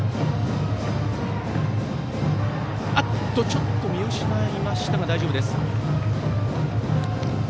ちょっと見失いましたが大丈夫です。